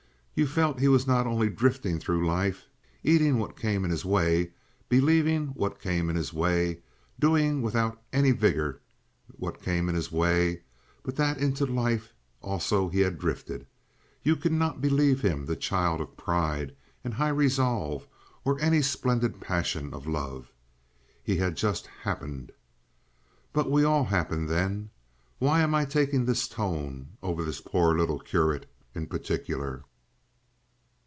You felt he was not only drifting through life, eating what came in his way, believing what came in his way, doing without any vigor what came in his way, but that into life also he had drifted. You could not believe him the child of pride and high resolve, or of any splendid passion of love. He had just happened. .. But we all happened then. Why am I taking this tone over this poor little curate in particular?